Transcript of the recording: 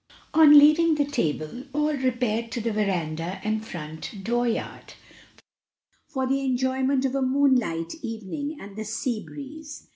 On leaving the table, all repaired to the veranda and front door yard, for the enjoyment of a moonlight evening and the sea breeze.